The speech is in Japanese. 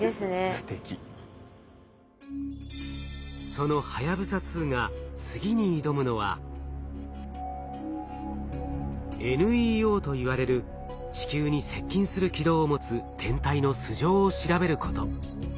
そのはやぶさ２が次に挑むのは「ＮＥＯ」といわれる地球に接近する軌道を持つ天体の素性を調べること。